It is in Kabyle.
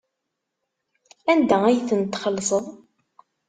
Anda ay tent-txellṣeḍ?